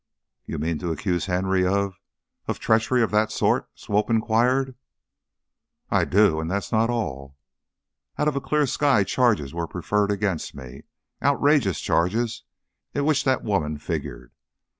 "You mean to accuse Henry of of treachery of that sort?" Swope inquired. "I do. And that's not all. Out of a clear sky charges were preferred against me. Outrageous charges in which that woman figured."